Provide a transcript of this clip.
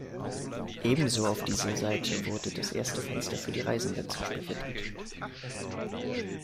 Ebenso auf dieser Seite wurde das erste Fenster für die Reisenden zersplittert.